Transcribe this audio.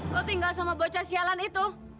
kok tinggal sama bocah sialan itu